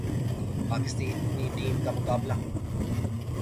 Pakistani team کا مقابلہ